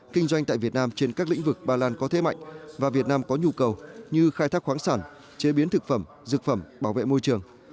kinh doanh tại việt nam trên các lĩnh vực ba lan có thế mạnh và việt nam có nhu cầu như khai thác khoáng sản chế biến thực phẩm dược phẩm bảo vệ môi trường